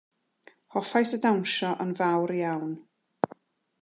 Hoffais i'r dawnsio yn fawr iawn.